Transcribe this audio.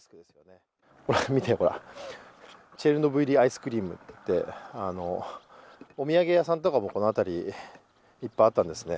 見てほら、チョルノービリアイスクリームってお土産屋さんもこの辺り、いっぱいあったんですね。